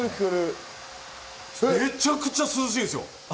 めちゃくちゃ涼しいんですよ。